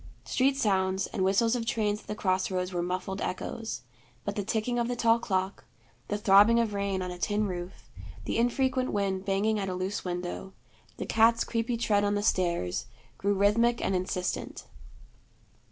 Street sounds and whistles of trains at the cross roads were muffled echoes; but the ticking of the tall clock, the throbbing of rain on a tin roof, the infrequent wind banging at a loose window, the cat's creepy tread on the stairs, grew rhythmic and insistent.